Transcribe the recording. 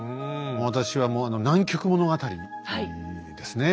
私はもう「南極物語」ですね